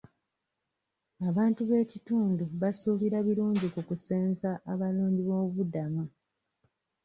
Abantu b'ekitundu basuubira birungi ku kusenza abanoonyiboobubudamu.